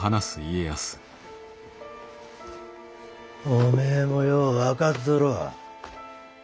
おめえもよう分かっとろう。